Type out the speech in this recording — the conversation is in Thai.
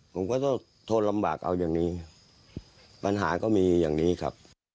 ผมก็ต้องทนลำบากเอาอย่างนี้ปัญหาก็มีอย่างนี้ครับ